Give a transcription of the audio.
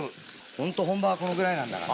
ほんと本場はこのぐらいなんだから。